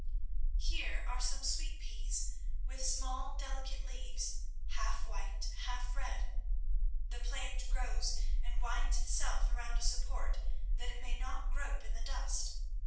Here are some sweet peas with small delicate leaves, half white, half red. The plant grows and winds itself around a support, that it may not grope in the dust.